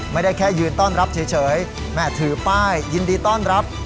ไม่ได้แค่ยืนต้อนรับเฉยแม่ถือป้ายยินดีต้อนรับ